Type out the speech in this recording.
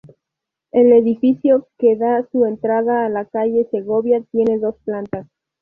El edificio que da su entrada a la calle Segovia tiene dos plantas.